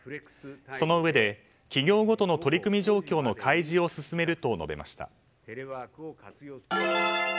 そのうえで企業ごとの取り組み状況の開示を進めると述べました。